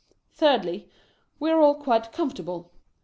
Thirdly, we are all quite com fortable.